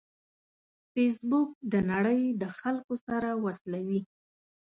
فېسبوک د نړۍ د خلکو سره وصلوي